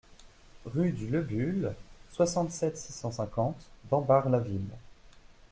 Rue du Leubuhl, soixante-sept, six cent cinquante Dambach-la-Ville